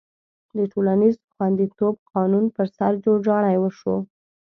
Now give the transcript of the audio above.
د ټولنیز خوندیتوب قانون پر سر جوړجاړی وشو.